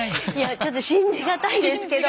ちょっと信じがたいんですけど。